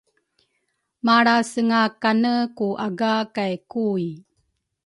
malrasenga kane ku aga kay Kui.